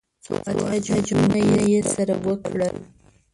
څو اتیا جنګونه یې سره وکړل.